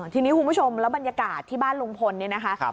ทีนี้คุณผู้ชมแล้วบรรยากาศที่บ้านลุงพลเนี่ยนะคะ